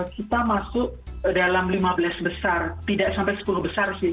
kita masuk dalam lima belas besar tidak sampai sepuluh besar sih